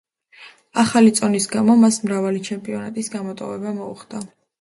ახალი წონის გამო მას მრავალი ჩემპიონატის გამოტოვება მოუხდა.